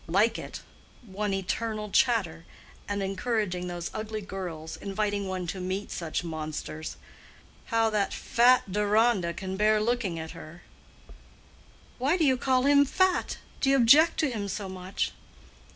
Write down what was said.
"Like it!—one eternal chatter. And encouraging those ugly girls—inviting one to meet such monsters. How that fat Deronda can bear looking at her——" "Why do you call him a fat? Do you object to him so much?"